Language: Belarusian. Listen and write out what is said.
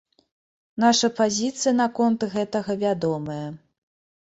Наша пазіцыя наконт гэтага вядомая.